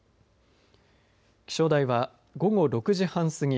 気象台は午後６時半過ぎ